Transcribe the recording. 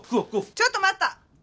ちょっと待った！